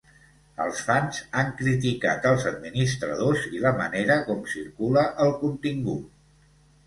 Els fans han criticat els administradors i la manera com circula el contingut.